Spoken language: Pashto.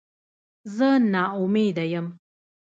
زه نا امیده یم